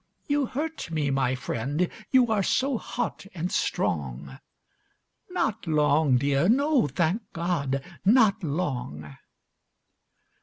You hurt me, my friend, you are so hot and strong. Not long, Dear, no, thank God, not long."